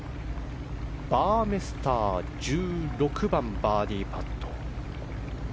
バーメスター１６番のバーディーパット。